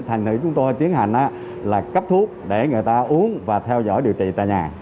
thành nữ chúng tôi tiến hành là cấp thuốc để người ta uống và theo dõi điều trị tại nhà